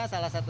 saya tidak tahu